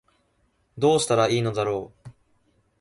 どうしたら良いのだろう